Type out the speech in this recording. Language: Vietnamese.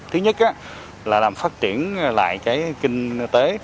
thứ nhất là làm phát triển lại cái kinh tế